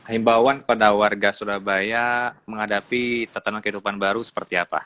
himbauan kepada warga surabaya menghadapi tatanan kehidupan baru seperti apa